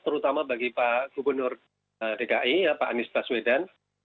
terutama bagi pak gubernur dki pak anies baswedan